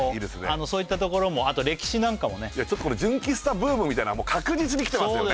そういったところもあと歴史なんかもねちょっとこの純喫茶ブームみたいなもう確実にきてますよね